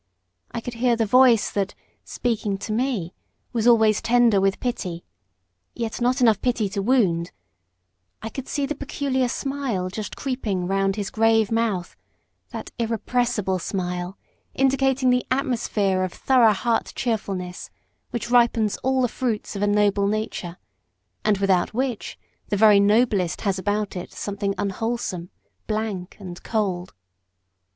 I could hear the voice that, speaking to me, was always tender with pity yet not pity enough to wound: I could see the peculiar smile just creeping round his grave mouth that irrepressible smile, indicating the atmosphere of thorough heart cheerfulness, which ripens all the fruits of a noble nature, and without which the very noblest has about it something unwholesome, blank, and cold.